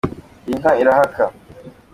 Iyi nka irahaka.